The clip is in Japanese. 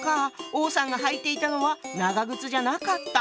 王さんが履いていたのは長靴じゃなかった。